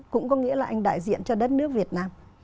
cũng có nghĩa là anh đại diện cho đất nước việt nam